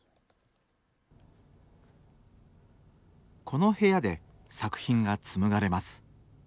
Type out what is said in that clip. この部屋で作品が紡がれます。